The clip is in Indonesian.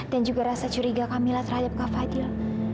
dan juga rasa curiga kamila terhadap kak fadil